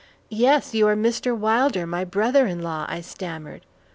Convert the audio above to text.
"Yes, you are Mr. Wilder, my brother in law," I stammered.